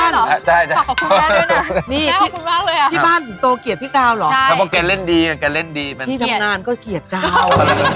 อาจุ้งแม่ใส่ตายาวให้ดีเดียว